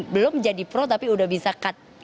belum jadi pro tapi udah bisa cut